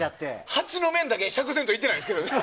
ハチの面だけ釈然といってないですけどね。